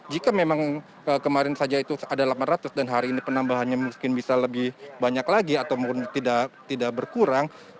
jika memang kemarin saja itu ada delapan ratus dan hari ini penambahannya mungkin bisa lebih banyak lagi atau tidak berkurang